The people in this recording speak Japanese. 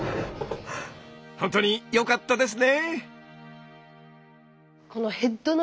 ほんとによかったですね。